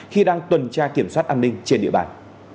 khi đang tuần tra kiểm soát an ninh trên địa bàn